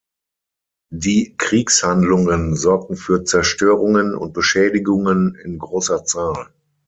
Die Kriegshandlungen sorgten für Zerstörungen und Beschädigungen in großer Zahl.